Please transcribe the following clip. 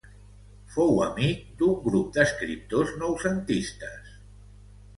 Fou amic d'un grup d'escriptors noucentistes.